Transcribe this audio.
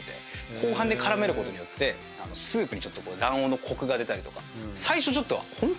後半で絡めることによってスープにちょっと卵黄のコクが出たりとか。